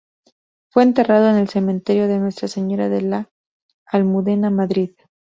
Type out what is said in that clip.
Fue enterrado en el Cementerio de Nuestra Señora de la Almudena, Madrid.